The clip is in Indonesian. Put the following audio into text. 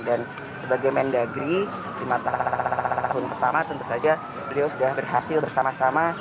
dan sebagai mendagri di mata tahun pertama tentu saja beliau sudah berhasil bersama sama